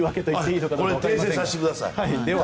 訂正させてください。